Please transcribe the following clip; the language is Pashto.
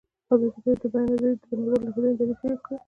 ازادي راډیو د د بیان آزادي د نړیوالو نهادونو دریځ شریک کړی.